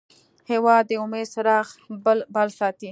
هېواد د امید څراغ بل ساتي.